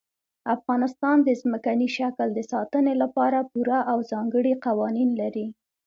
افغانستان د ځمکني شکل د ساتنې لپاره پوره او ځانګړي قوانین لري.